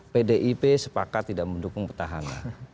pdip sepakat tidak mendukung petahana